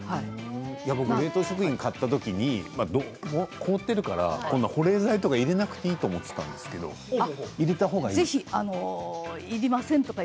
僕、冷凍食品を買った時に凍っているから保冷剤とか入れなくていいと思っていたんですけど入れた方がいいんですか。